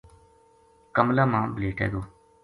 کَملاں ما بھلیٹے گیو